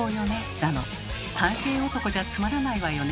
だの「３平男じゃつまらないわよね」